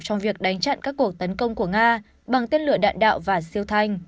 trong việc đánh chặn các cuộc tấn công của nga bằng tên lửa đạn đạo và siêu thanh